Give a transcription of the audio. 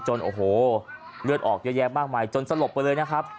โอ้โหเลือดออกเยอะแยะมากมายจนสลบไปเลยนะครับ